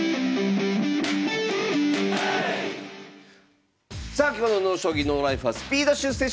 さあ今日の「ＮＯ将棋ＮＯＬＩＦＥ」は「スピード出世将棋」！